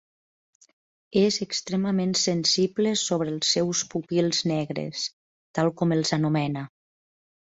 És extremament sensible sobre els seus pupils negres, tal com els anomena.